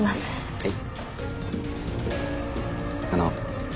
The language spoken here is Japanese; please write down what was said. はい。